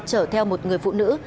chở theo một người phụ nữ